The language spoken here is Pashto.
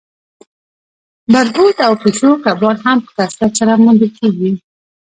بربوټ او پیشو کبان هم په کثرت سره موندل کیږي